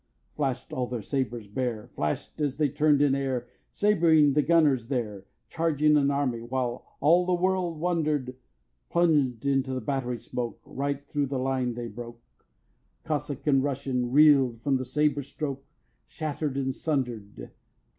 4. Flash'd all their sabres bare, Flash'd as they turn'd in air, Sabring the gunners there, Charging an army, while All the world wonder'd: Plunged in the battery smoke Right thro' the line they broke; Cossack and Russian Reel'd from the sabre stroke Shatter'd and sunder'd.